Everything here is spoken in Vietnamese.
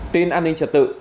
tin an ninh trật tự